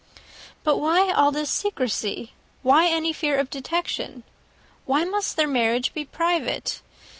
"But why all this secrecy? Why any fear of detection? Why must their marriage be private?